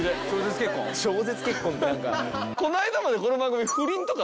超絶結婚って何か。